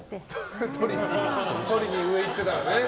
取りに上に行ってたらね。